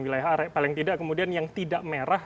wilayah arek paling tidak kemudian yang tidak merah